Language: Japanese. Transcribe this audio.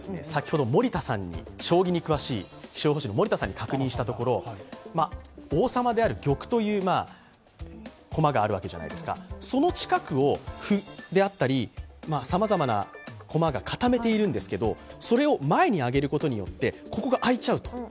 先ほど将棋に詳しい気象予報士の森田さんに確認したところ王様である玉という駒があるわけじゃないですか、その近くを歩であったり、さまざまな駒が固めているんですけど、それを前に上げることによってここが空いちゃうと。